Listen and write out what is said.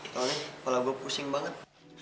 tau nih kepala gue pusing banget